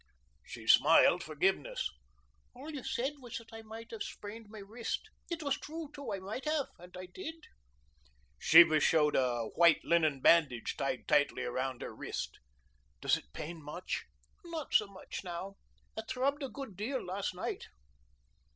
She smiled forgiveness. "All you said was that I might have sprained my wrist. It was true too. I might have and I did." Sheba showed a white linen bandage tied tightly around her wrist. "Does it pain much?" "Not so much now. It throbbed a good deal last night."